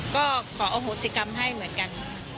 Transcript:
ก็ขออโหสิกรรมให้เหมือนกัน